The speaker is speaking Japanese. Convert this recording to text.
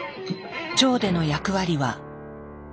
腸での役割は。